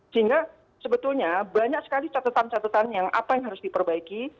sehingga sebetulnya banyak sekali catatan catatan yang apa yang harus diperbaiki